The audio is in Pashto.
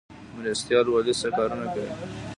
مرستیال والي څه کارونه کوي؟